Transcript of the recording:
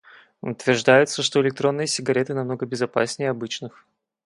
Утверждается, что электронные сигареты намного безопасней обычных